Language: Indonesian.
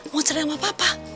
mau cerai sama papa